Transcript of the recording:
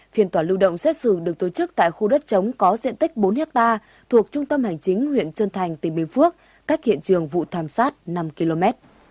phiên tòa lưu động xét xử được tổ chức tại khu đất chống có diện tích bốn hectare thuộc trung tâm hành chính huyện trân thành tỉnh bình phước cách hiện trường vụ thảm sát năm km